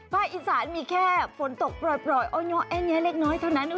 ภาคอีสานมีแค่ฝนตกปล่อยอย่างนี้เล็กน้อยเท่านั้น